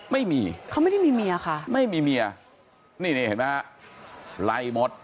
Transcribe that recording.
ไม่มีเขาไม่ได้มีเมียค่ะไม่มีเมียนี่นี่เห็นไหมฮะไล่หมด